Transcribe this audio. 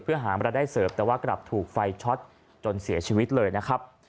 เพื่อหามารายได้เสิร์ฟแต่ว่ากลับถูกไฟช็อตจนเสียชีวิตเลยนะครับ